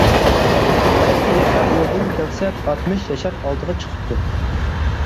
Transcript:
ئالتە ياشار يولدىن كەلسە، ئاتمىش ياشار ئالدىغا چىقىپتۇ.